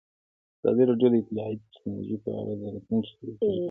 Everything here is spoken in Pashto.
ازادي راډیو د اطلاعاتی تکنالوژي په اړه د راتلونکي هیلې څرګندې کړې.